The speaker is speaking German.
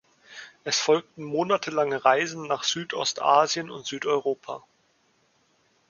Es folgten monatelange Reisen nach Südostasien und Südeuropa.